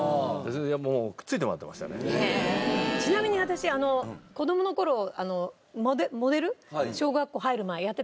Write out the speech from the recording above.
ちなみに私子供の頃あの。